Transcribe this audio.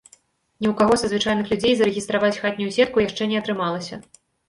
Ні ў каго са звычайных людзей зарэгістраваць хатнюю сетку яшчэ не атрымалася.